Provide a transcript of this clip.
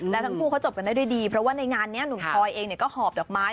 และทั้งคู่เขาจบกันได้ด้วยดีเพราะว่าในงานนี้หนุ่มพลอยเองก็หอบดอกไม้